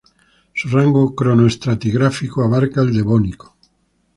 Su rango cronoestratigráfico abarca el Devónico.